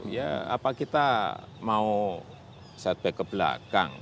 ya apa kita mau setback ke belakang